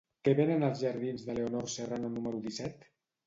Què venen als jardins de Leonor Serrano número disset?